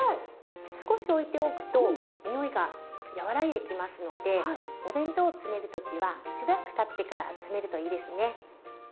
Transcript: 少しおいておくと匂いが和らいできますのでお弁当を詰める時はしばらくたってから詰めるといいですね。